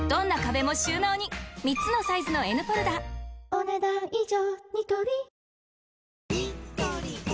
お、ねだん以上。